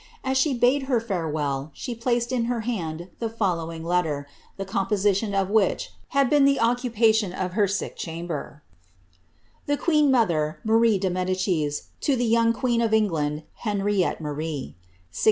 As she bade her farewell, she placed in her hand the following letter, the composition of which had been the occupation of her sici chamber:—* The Qvibs xot»e, Marie db Mtoicit, to tib tovs» Qusbv ov Evo LAVD, HsvEirrTB Maeib.